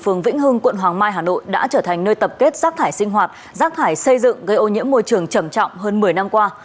phường vĩnh hưng quận hoàng mai hà nội đã trở thành nơi tập kết rác thải sinh hoạt rác thải xây dựng gây ô nhiễm môi trường trầm trọng hơn một mươi năm qua